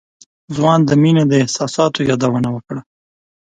ځوان د مينې د احساساتو يادونه وکړه.